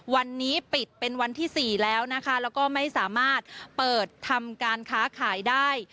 วันนี้ปิดเป็นวันที่๔แล้วนะคะแล้วก็ไม่สามารถเปิดทำการค้าขายได้